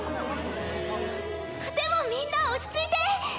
でもみんな落ち着いて！